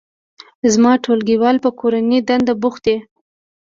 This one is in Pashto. زما ټولګیوالان په کورنۍ دنده بوخت دي